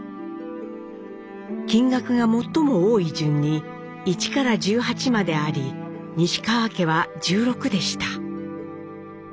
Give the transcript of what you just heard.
金額が最も多い順に一から十八まであり西川家は十六でした。